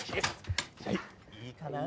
いいかな？